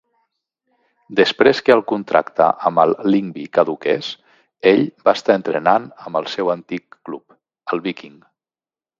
Després que el contracte amb el Lyngby caduques, ell va estar entrenant amb el seu antic club, el Viking.